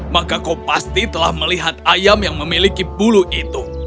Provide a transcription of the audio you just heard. maka kau pasti telah melihat ayam yang memiliki bulu itu